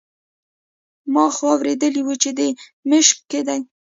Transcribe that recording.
ما خو اورېدلي وو چې د مشق کې دی.